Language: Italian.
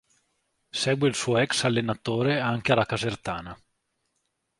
Segue il suo ex allenatore anche alla Casertana.